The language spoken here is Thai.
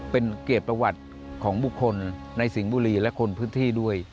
เป็นเกียรติประวัติของบุคคลในสิงห์บุรีและคนพื้นที่ด้วย